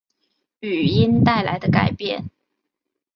语音带来的改变